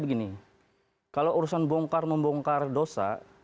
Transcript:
pastinya pak luhut bukanlah seorang malaikat yang berhak untuk membongkar dosa